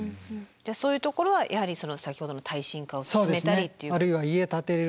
そういうところはやはり先ほどの耐震化を進めたり。